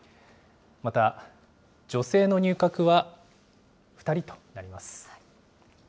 また、女性の入閣は２人となります。